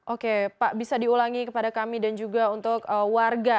oke pak bisa diulangi kepada kami dan juga untuk warga